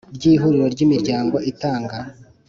rw Ihuriro ry Imiryango itanga